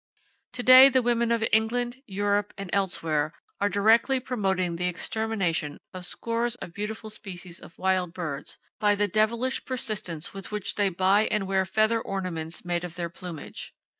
To day the women of England, Europe and elsewhere are directly promoting the extermination of scores of beautiful species of wild birds by the devilish persistence with which they buy and wear feather ornaments made of their plumage.